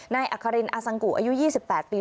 นายอัครินอสังกุอายุ๒๘ปี